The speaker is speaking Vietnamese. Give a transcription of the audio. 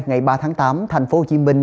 ngày ba tháng tám thành phố hồ chí minh